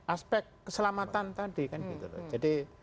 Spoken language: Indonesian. aspek keselamatan tadi kan gitu loh